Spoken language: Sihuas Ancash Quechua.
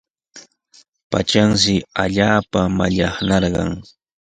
Patranshi allaapa mallaqnarqan.